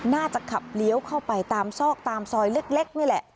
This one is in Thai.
น่าจะขับเลี้ยวเข้าไปตามซอกตามซอยเล็กนี่แหละ